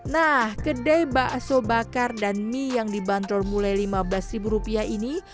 nah kedai bakso bakar dan mie yang dibanderol mulai lima belas rupiah ini